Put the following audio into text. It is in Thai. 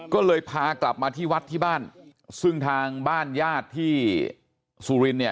ก็เลยพากลับมาที่วัดที่บ้านซึ่งทางบ้านญาติที่สุรินเนี่ย